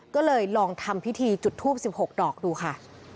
ก็เลยลองทำพิธีจุดทูป๑๖ดอกดูค่ะ